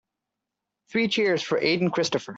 Three cheers for Aden Christopher.